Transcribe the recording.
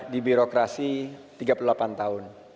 di birokrasi tiga puluh delapan tahun